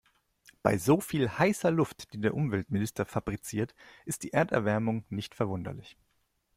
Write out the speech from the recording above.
Bei so viel heißer Luft, die der Umweltminister fabriziert, ist die Erderwärmung nicht verwunderlich.